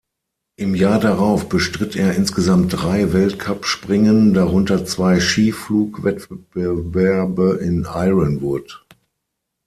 Im Jahr darauf bestritt er insgesamt drei Weltcup-Springen, darunter zwei Skiflug-Wettbewerbe in Ironwood.